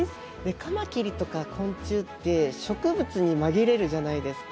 カマキリとか昆虫って植物に紛れるじゃないですか。